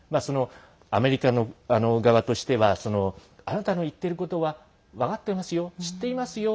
アメリカ側としてはあなたの言っていることは分かってますよ、知っていますよ